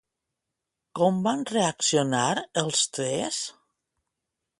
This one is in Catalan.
Com van reaccionar els tres?